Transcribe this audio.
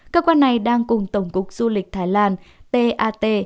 cơ quan này đang cùng tổng cục du lịch thái lan tat